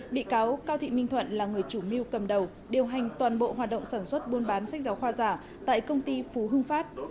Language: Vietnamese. bị cáo cao thị minh thuận là người chủ mưu cầm đầu điều hành toàn bộ hoạt động sản xuất buôn bán sách giáo khoa giả tại công ty phú hưng phát